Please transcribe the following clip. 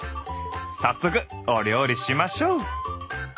早速お料理しましょう！